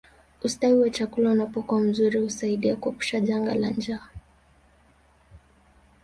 Ustawi wa chakula unapokuwa mzuri huasaidia kuepusha janga la njaa